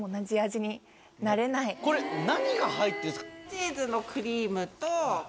これ何が入ってるんですか？